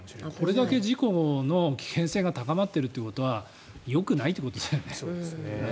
これだけ事故の危険性が高まっているということはよくないってことだよね。